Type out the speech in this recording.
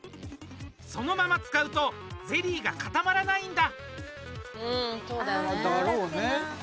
そのまま使うとゼリーが固まらないんだ。